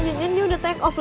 emangnya diangkat angkat juga